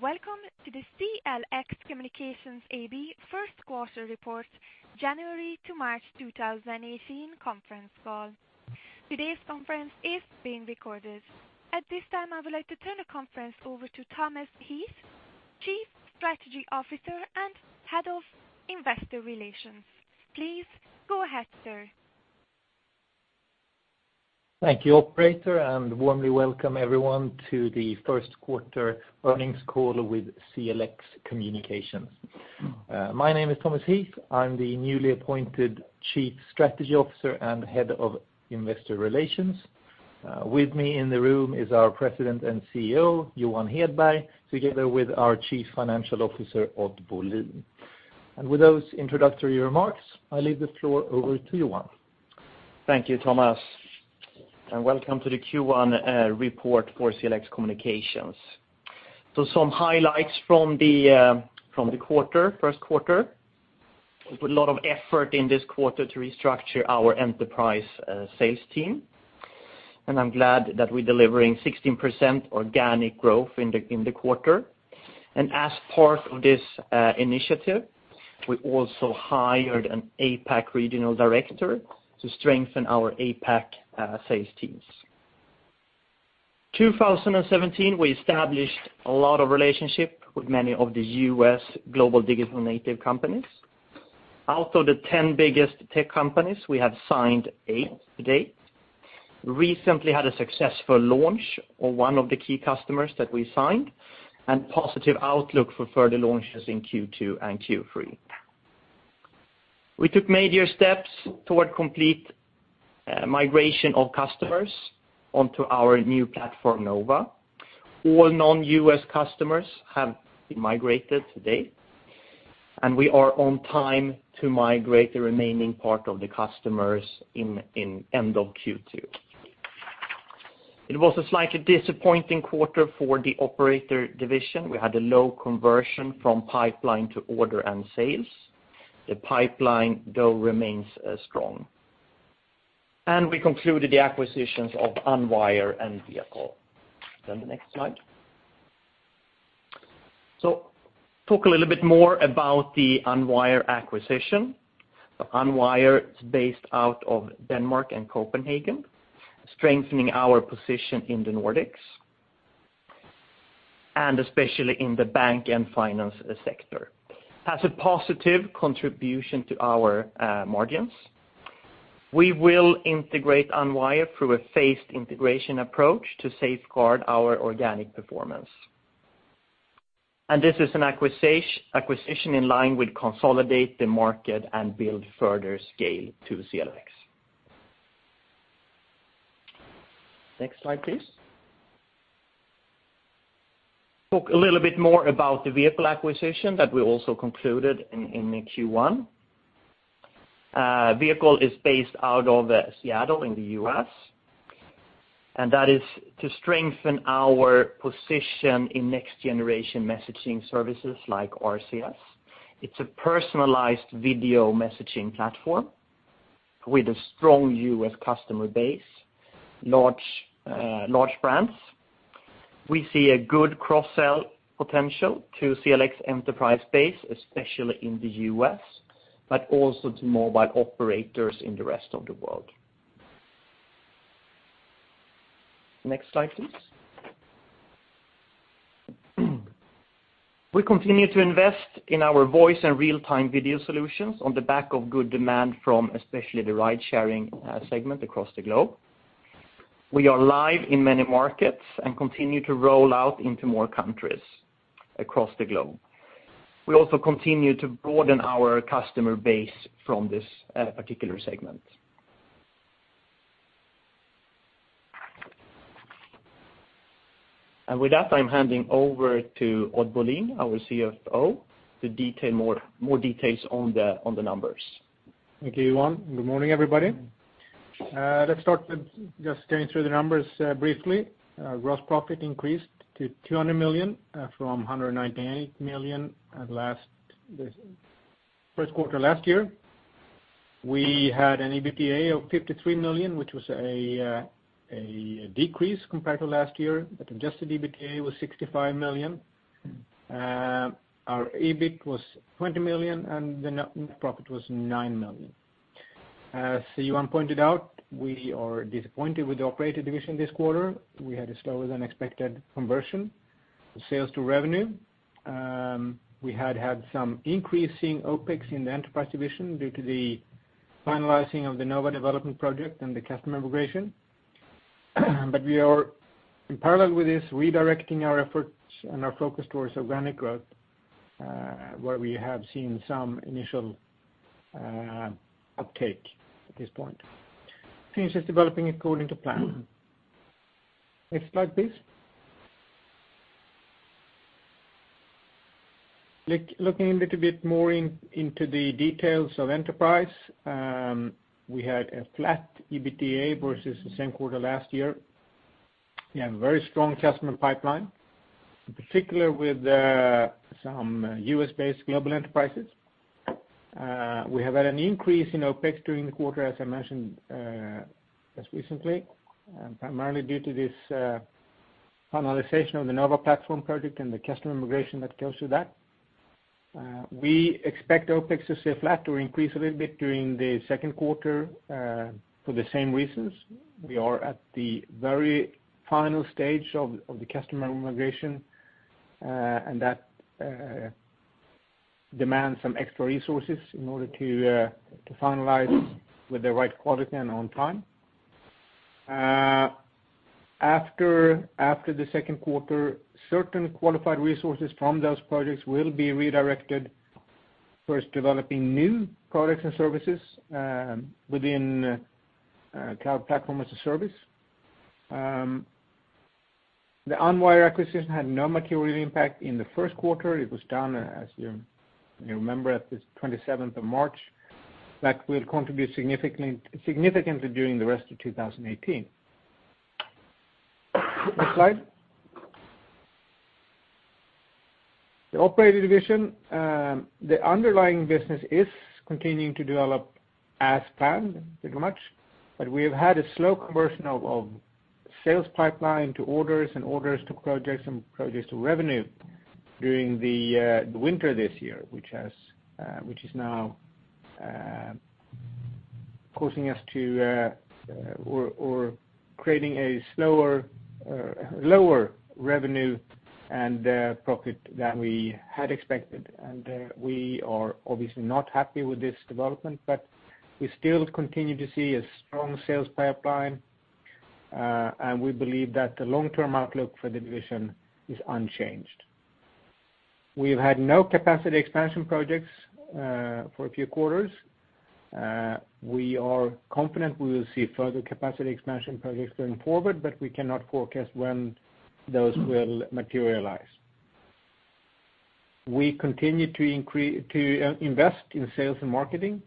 Welcome to the CLX Communications AB first quarter report, January to March 2018 conference call. Today's conference is being recorded. At this time, I would like to turn the conference over to Thomas Heath, Chief Strategy Officer and Head of Investor Relations. Please go ahead, sir. Thank you, operator, warmly welcome everyone to the first quarter earnings call with CLX Communications. My name is Thomas Heath. I am the newly appointed Chief Strategy Officer and Head of Investor Relations. With me in the room is our President and CEO, Johan Hedberg, together with our Chief Financial Officer, Odd Bolin. With those introductory remarks, I leave the floor over to Johan. Thank you, Thomas, welcome to the Q1 report for CLX Communications. Some highlights from the first quarter. We put a lot of effort in this quarter to restructure our enterprise sales team, I am glad that we are delivering 16% organic growth in the quarter. As part of this initiative, we also hired an APAC regional director to strengthen our APAC sales teams. 2017, we established a lot of relationships with many of the U.S. global digital native companies. Out of the 10 biggest tech companies, we have signed eight to date. Recently had a successful launch of one of the key customers that we signed, positive outlook for further launches in Q2 and Q3. We took major steps toward complete migration of customers onto our new platform, Nova. All non-U.S. customers have been migrated to date, we are on time to migrate the remaining part of the customers in end of Q2. It was a slightly disappointing quarter for the operator division. We had a low conversion from pipeline to order and sales. The pipeline, though, remains strong. We concluded the acquisitions of Unwire and Vehicle. The next slide. Talk a little bit more about the Unwire acquisition. Unwire is based out of Denmark in Copenhagen, strengthening our position in the Nordics, especially in the bank and finance sector. Has a positive contribution to our margins. We will integrate Unwire through a phased integration approach to safeguard our organic performance. This is an acquisition in line with consolidate the market and build further scale to CLX. Next slide, please. Talk a little bit more about the Vehicle acquisition that we also concluded in Q1. Vehicle is based out of Seattle in the U.S., and that is to strengthen our position in next-generation messaging services like RCS. It's a personalized video messaging platform with a strong U.S. customer base, large brands. We see a good cross-sell potential to CLX enterprise base, especially in the U.S., but also to mobile operators in the rest of the world. Next slide, please. We continue to invest in our voice and real-time video solutions on the back of good demand from especially the ridesharing segment across the globe. We are live in many markets and continue to roll out into more countries across the globe. We also continue to broaden our customer base from this particular segment. With that, I'm handing over to Odd Bolin, our CFO, for more details on the numbers. Thank you, Johan. Good morning, everybody. Let's start with just going through the numbers briefly. Gross profit increased to 200 million from 198 million first quarter last year. We had an EBITDA of 53 million, which was a decrease compared to last year, but adjusted EBITDA was 65 million. Our EBIT was 20 million, and the net profit was 9 million. As Johan pointed out, we are disappointed with the operator division this quarter. We had a slower-than-expected conversion, sales to revenue. We had had some increasing OpEx in the enterprise division due to the finalizing of the Nova development project and the customer migration. We are, in parallel with this, redirecting our efforts and our focus towards organic growth, where we have seen some initial uptake at this point. Sinch is developing according to plan. Next slide, please. Looking a little bit more into the details of enterprise. We had a flat EBITDA versus the same quarter last year. We have a very strong customer pipeline, in particular with some U.S.-based global enterprises. We have had an increase in OpEx during the quarter, as I mentioned just recently, primarily due to this finalization of the Nova platform project and the customer migration that goes to that. We expect OpEx to stay flat or increase a little bit during the second quarter for the same reasons. We are at the very final stage of the customer migration, and that demands some extra resources in order to finalize with the right quality and on time. After the second quarter, certain qualified resources from those projects will be redirected towards developing new products and services within cloud platform as a service. The Unwire acquisition had no material impact in the first quarter. It was done, as you remember, at the 27th of March. That will contribute significantly during the rest of 2018. Next slide. The operator division. The underlying business is continuing to develop as planned, pretty much, but we have had a slow conversion of sales pipeline to orders and orders to projects and projects to revenue during the winter this year, which is now creating a slower, lower revenue and profit than we had expected. We are obviously not happy with this development, but we still continue to see a strong sales pipeline. We believe that the long-term outlook for the division is unchanged. We've had no capacity expansion projects for a few quarters. We are confident we will see further capacity expansion projects going forward, but we cannot forecast when those will materialize. We continue to invest in sales and marketing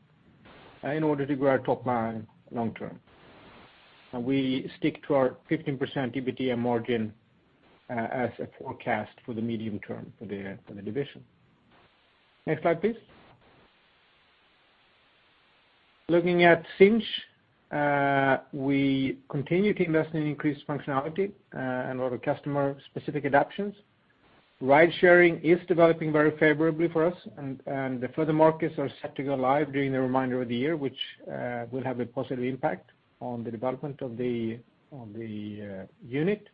in order to grow our top line long term. We stick to our 15% EBITDA margin as a forecast for the medium term for the division. Next slide, please. Looking at Sinch, we continue to invest in increased functionality and a lot of customer-specific adaptations. Ride-sharing is developing very favorably for us and the further markets are set to go live during the remainder of the year, which will have a positive impact on the development of the unit.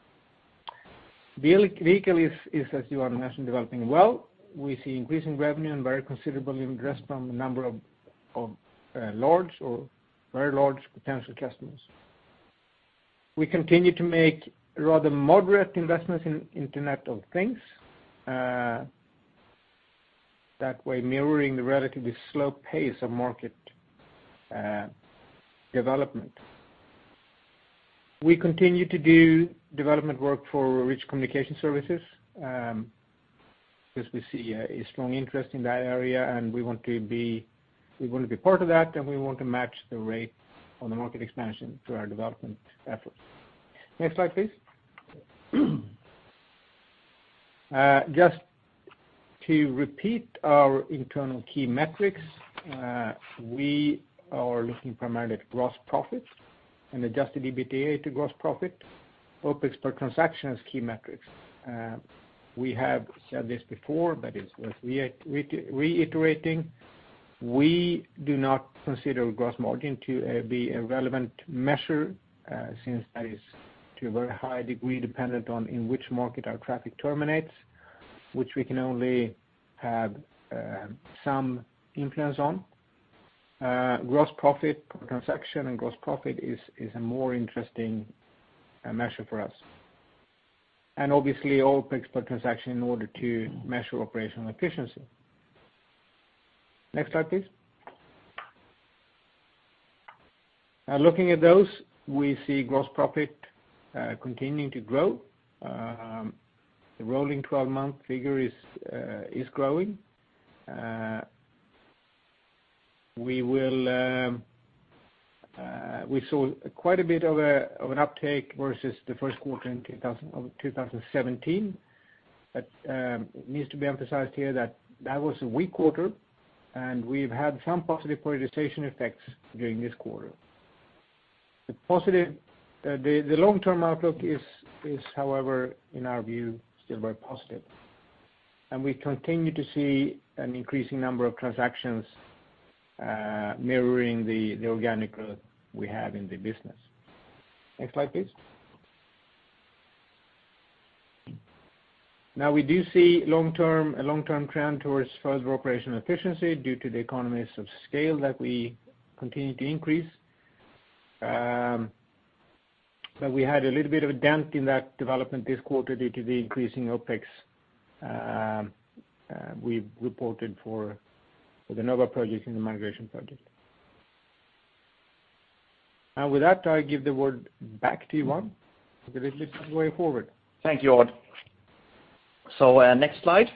Vehicle is, as Johan mentioned, developing well. We see increasing revenue and very considerable interest from a number of large or very large potential customers. We continue to make rather moderate investments in Internet of Things, that way mirroring the relatively slow pace of market development. We continue to do development work for Rich Communication Services, because we see a strong interest in that area, and we want to be part of that, and we want to match the rate of the market expansion to our development efforts. Next slide, please. Just to repeat our internal key metrics, we are looking primarily at gross profit and adjusted EBITDA to gross profit, OpEx per transaction as key metrics. We have said this before, but it's worth reiterating. We do not consider gross margin to be a relevant measure, since that is, to a very high degree, dependent on in which market our traffic terminates, which we can only have some influence on. Gross profit per transaction and gross profit is a more interesting measure for us. Obviously, OpEx per transaction in order to measure operational efficiency. Next slide, please. Looking at those, we see gross profit continuing to grow. The rolling 12-month figure is growing. We saw quite a bit of an uptake versus the first quarter in 2017. That needs to be emphasized here that that was a weak quarter, and we've had some positive productization effects during this quarter. The long-term outlook is, however, in our view, still very positive, and we continue to see an increasing number of transactions mirroring the organic growth we have in the business. Next slide, please. We do see a long-term trend towards further operational efficiency due to the economies of scale that we continue to increase. We had a little bit of a dent in that development this quarter due to the increase in OpEx we've reported for the Nova project and the migration project. With that, I give the word back to Johan to give a little way forward. Thank you, Odd. Next slide.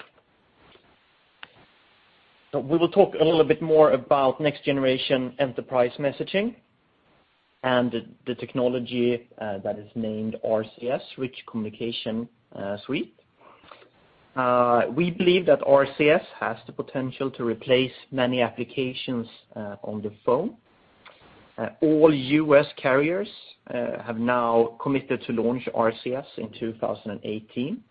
We will talk a little bit more about next-generation enterprise messaging. The technology that is named RCS, Rich Communication Services. We believe that RCS has the potential to replace many applications on the phone. All U.S. carriers have now committed to launch RCS in 2018.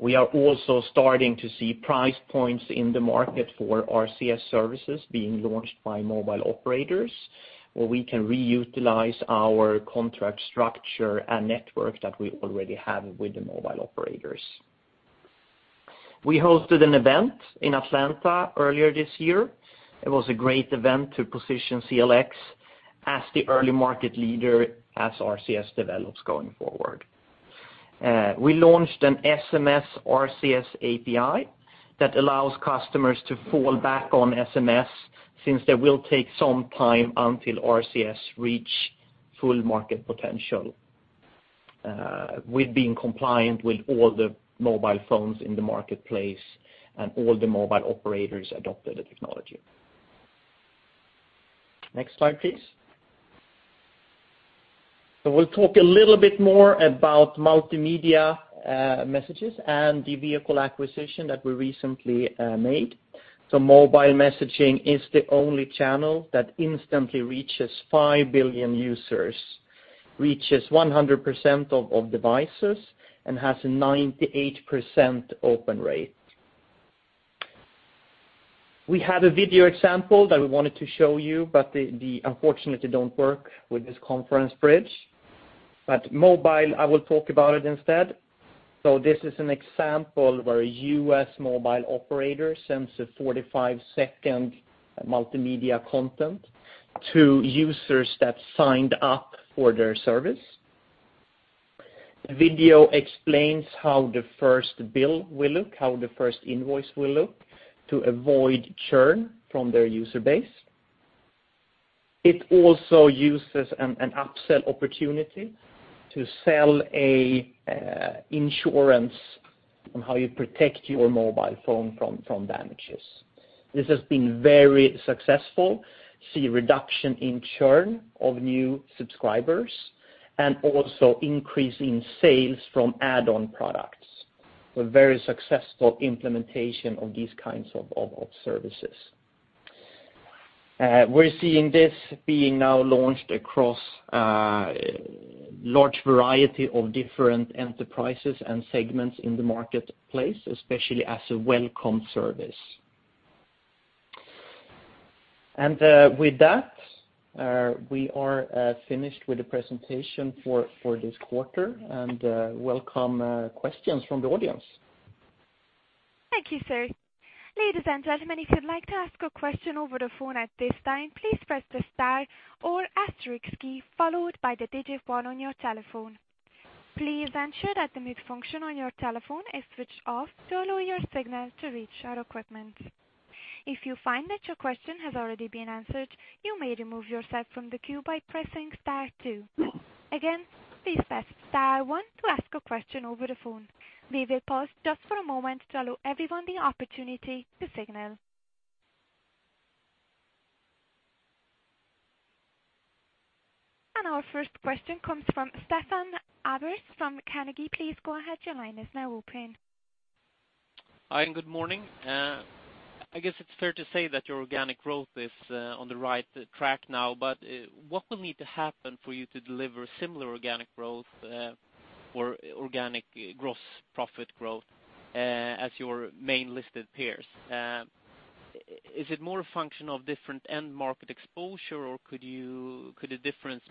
We are also starting to see price points in the market for RCS services being launched by mobile operators, where we can reutilize our contract structure and network that we already have with the mobile operators. We hosted an event in Atlanta earlier this year. It was a great event to position CLX as the early market leader as RCS develops going forward. We launched an SMS RCS API that allows customers to fall back on SMS, since they will take some time until RCS reach full market potential, with being compliant with all the mobile phones in the marketplace and all the mobile operators adopted the technology. Next slide, please. We'll talk a little bit more about multimedia messages and the Vehicle acquisition that we recently made. Mobile messaging is the only channel that instantly reaches 5 billion users, reaches 100% of devices and has a 98% open rate. We had a video example that we wanted to show you, unfortunately it don't work with this conference bridge. Mobile, I will talk about it instead. This is an example where a U.S. mobile operator sends a 45-second multimedia content to users that signed up for their service. The video explains how the first bill will look, how the first invoice will look to avoid churn from their user base. It also uses a upsell opportunity to sell a insurance on how you protect your mobile phone from damages. This has been very successful, see a reduction in churn of new subscribers, also increase in sales from add-on products. A very successful implementation of these kinds of services. We're seeing this being now launched across large variety of different enterprises and segments in the marketplace, especially as a welcome service. With that, we are finished with the presentation for this quarter, welcome questions from the audience. Thank you, sir. Ladies and gentlemen, if you'd like to ask a question over the phone at this time, please press the star or asterisk key, followed by the digit 1 on your telephone. Please ensure that the mute function on your telephone is switched off to allow your signal to reach our equipment. If you find that your question has already been answered, you may remove yourself from the queue by pressing star 2. Again, please press star 1 to ask a question over the phone. We will pause just for a moment to allow everyone the opportunity to signal. Our first question comes from Stefan Avås from Carnegie. Please go ahead, your line is now open. Hi, and good morning. I guess it's fair to say that your organic growth is on the right track now. What will need to happen for you to deliver similar organic growth, or organic gross profit growth, as your main listed peers? Is it more a function of different end market exposure, or could the difference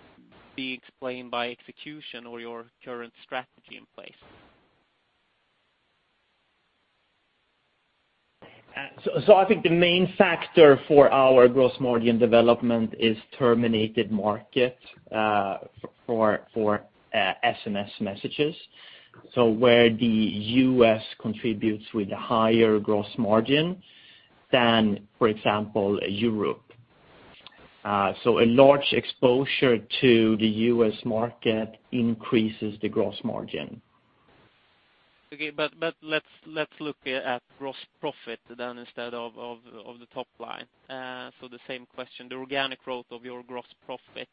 be explained by execution or your current strategy in place? I think the main factor for our gross margin development is determined market, for SMS messages. Where the U.S. contributes with a higher gross margin than, for example, Europe. A large exposure to the U.S. market increases the gross margin. Okay, let's look at gross profit then instead of the top line. The same question, the organic growth of your gross profit,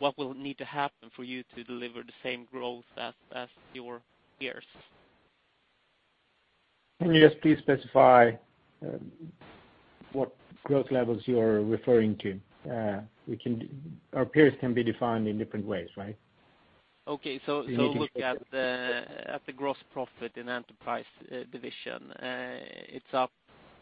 what will need to happen for you to deliver the same growth as your peers? Can you just please specify what growth levels you are referring to? Our peers can be defined in different ways, right? Look at the gross profit in enterprise division. It's up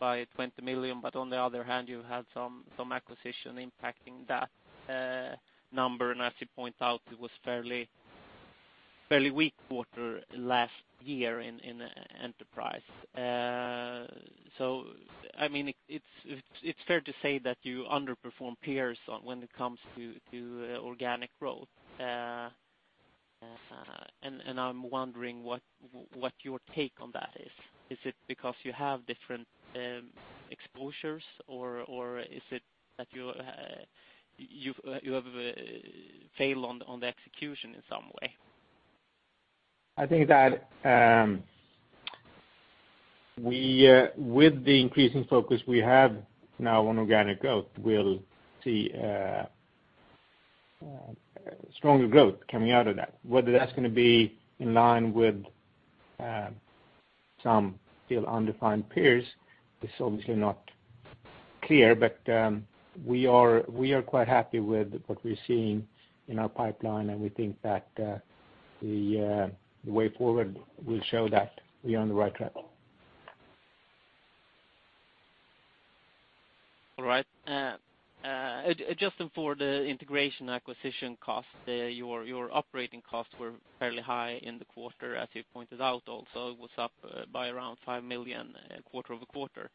by 20 million, on the other hand, you had some acquisition impacting that number, and as you point out, it was fairly weak quarter last year in enterprise. It's fair to say that you underperform peers when it comes to organic growth. I'm wondering what your take on that is. Is it because you have different exposures or is it that you have failed on the execution in some way? With the increasing focus we have now on organic growth, we'll see stronger growth coming out of that. Whether that's going to be in line with some still undefined peers is obviously not clear, but we are quite happy with what we're seeing in our pipeline, and we think that the way forward will show that we're on the right track. All right. Adjusting for the integration acquisition costs, your operating costs were fairly high in the quarter, as you pointed out, also it was up by around 5 million quarter-over-quarter.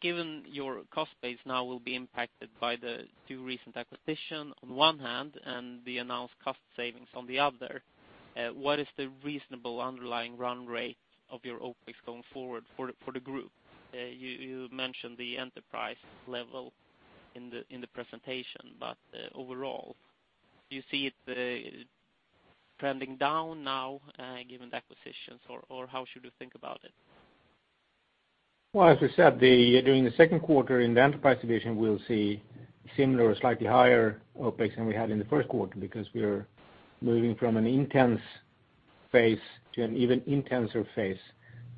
Given your cost base now will be impacted by the two recent acquisition on one hand and the announced cost savings on the other, what is the reasonable underlying run rate of your OpEx going forward for the group? You mentioned the enterprise level in the presentation, overall, do you see it trending down now given the acquisitions, or how should we think about it? Well, as we said, during the second quarter in the enterprise division, we'll see similar or slightly higher OpEx than we had in the first quarter because we're moving from an intense phase to an even intenser phase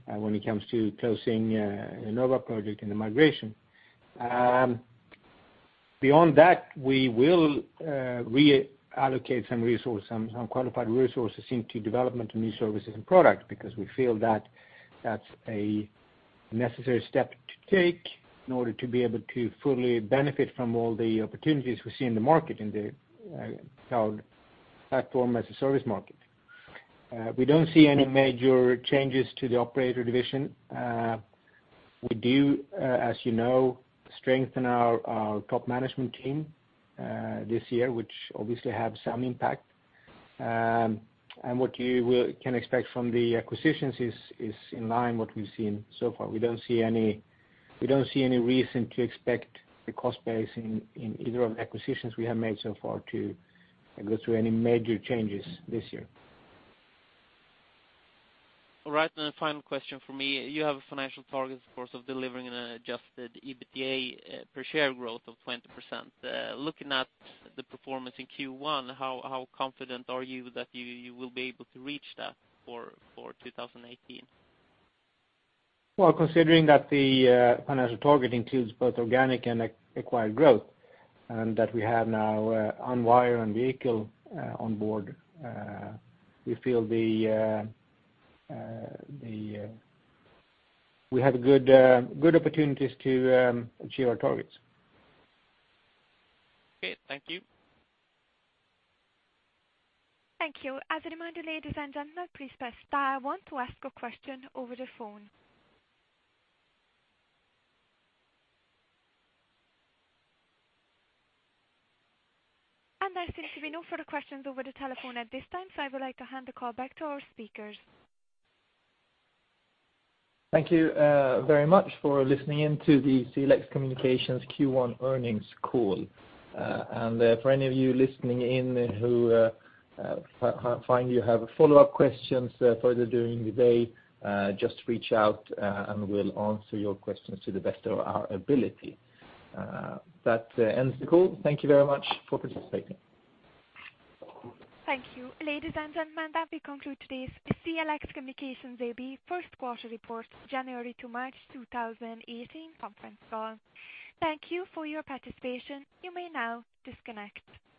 when it comes to closing the Nova project and the migration. Beyond that, we will reallocate some qualified resources into development of new services and products because we feel that that's a necessary step to take in order to be able to fully benefit from all the opportunities we see in the market, in the cloud platform as a service market. We don't see any major changes to the operator division. We do, as you know, strengthen our top management team this year, which obviously have some impact. What you can expect from the acquisitions is in line what we've seen so far. We don't see any reason to expect the cost base in either of the acquisitions we have made so far to go through any major changes this year. All right. The final question from me, you have a financial target, of course, of delivering an adjusted EBITDA per share growth of 20%. Looking at the performance in Q1, how confident are you that you will be able to reach that for 2018? Well, considering that the financial target includes both organic and acquired growth, and that we have now Unwire and Vehicle on board, we feel we have good opportunities to achieve our targets. Okay. Thank you. Thank you. As a reminder, ladies and gentlemen, please press star one to ask a question over the phone. I see there should be no further questions over the telephone at this time, so I would like to hand the call back to our speakers. Thank you very much for listening in to the CLX Communications Q1 earnings call. For any of you listening in who find you have follow-up questions further during the day, just reach out, and we'll answer your questions to the best of our ability. That ends the call. Thank you very much for participating. Thank you. Ladies and gentlemen, that we conclude today's CLX Communications AB first quarter report, January to March 2018 conference call. Thank you for your participation. You may now disconnect.